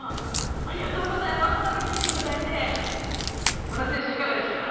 ありがとうございました、見せて小田選手、いかがでしたか。